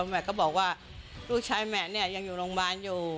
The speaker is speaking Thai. แม่ก็บอกว่าลูกชายแม่เนี่ยยังอยู่โรงพยาบาลอยู่